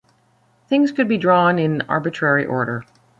Things could be drawn in arbitrary order.